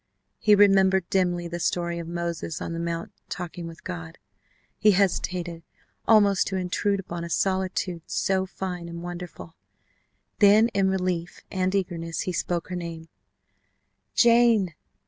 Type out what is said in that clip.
He remembered dimly the story of Moses on the Mount talking with God. He hesitated almost to intrude upon a solitude so fine and wonderful. Then in relief and eagerness he spoke her name: "Jane!"